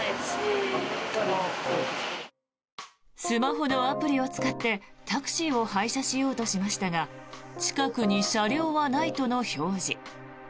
スマホのアプリを使ってタクシーを配車しようとしましたが近くに車両はないとの表示。